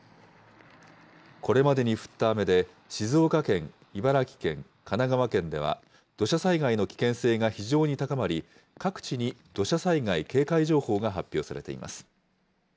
これまでに降った雨で、静岡県、茨城県、神奈川県では、土砂災害の危険性が非常に高まり、各地に土砂災害警戒情報が発表されています。